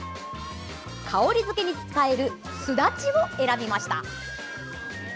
香りづけに使えるすだちを選びました。